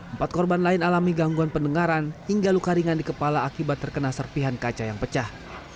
empat korban lain alami gangguan pendengaran hingga luka ringan di kepala akibat terkena serpihan kaca yang pecah